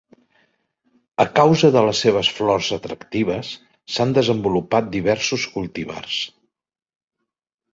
A causa de les seves flors atractives, s'han desenvolupat diversos cultivars.